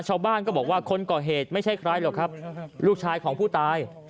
ชาวบ้านก็บอกว่าคนก่อเหตุไม่ใช่ใครหรอกครับลูกชายของผู้ตาย